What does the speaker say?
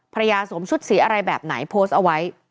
สวมชุดสีอะไรแบบไหนโพสต์เอาไว้